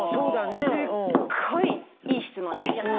すっごいいい質問です。